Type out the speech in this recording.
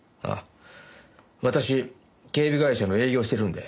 私警備会社の営業してるんで。